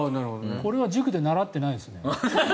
これは塾で習ってないですね。